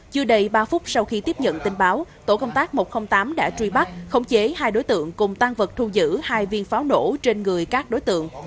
chưa đầy ba phút sau khi tiếp nhận tin báo tổ công tác một trăm linh tám đã truy bắt khống chế hai đối tượng cùng tan vật thu giữ hai viên pháo nổ trên người các đối tượng